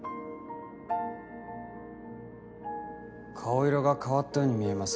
顔色が変わったように見えますが。